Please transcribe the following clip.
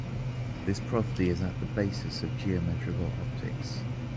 This property is at the basis of geometrical optics.